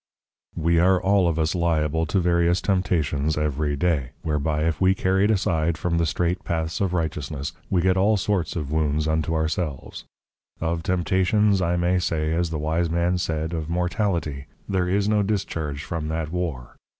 We are all of us liable to various Temptations every day, whereby if we are carried aside from the strait Paths of Righteousness, we get all sorts of wounds unto our selves. Of Temptations, I may say, as the Wise Man said, of Mortality; _there is no discharge from that war.